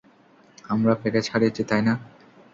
আমরা প্যাকেজ হারিয়েছি, তাই না?